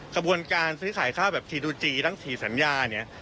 กระบวนการซื้อขายข้าวแบบที่ตังสี่สัญญาเนี้ย